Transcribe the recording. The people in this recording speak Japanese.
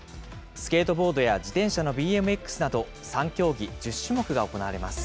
スケートボードや自転車のＢＭＸなど、３競技１０種目が行われます。